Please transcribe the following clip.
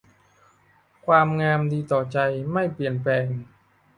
สวยงามดีต่อใจไม่เปลี่ยนแปลง